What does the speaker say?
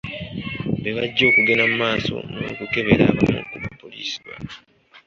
Be bajja okugenda mu maaso n’okukebera abamu ku bapoliisi bano.